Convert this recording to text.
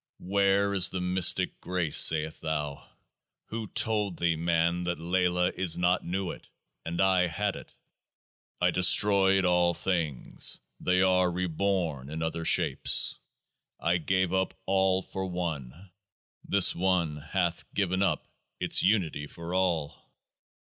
" Where is the Mystic Grace?" sayest thou? Who told thee, man, that LAYLAH is not Nuit, and I hadit? I destroyed all things ; they are reborn in other shapes. I gave up all for One ; this One hath given up its Unity for all?